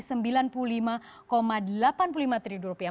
delapan puluh lima triliun rupiah